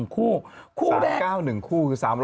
๓๙๑คู่คือ๓๖๑คู่